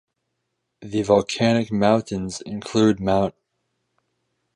The volcanic mountains include Mt.